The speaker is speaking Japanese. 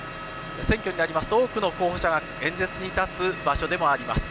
選挙になりますと、多くの候補者が演説に立つ場所でもあります。